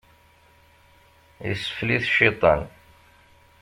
Isfel-it cciṭan.